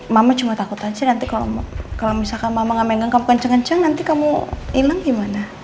mama cuma takut aja nanti kalau misalkan mama gak megang kamu kencang kencang nanti kamu hilang gimana